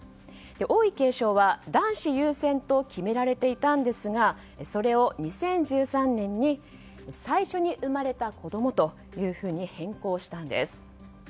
王位継承は男子優先と決められていたんですがそれを２０１３年に最初に生まれた子供というふうに変更したんです。